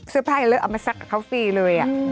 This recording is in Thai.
เสื้อผ้าแรกเอามาทำเสื้อผ้าฟรีเลย